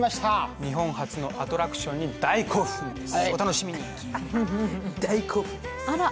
日本初のアトラクションに大興奮です。